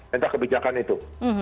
minta kebijakan itu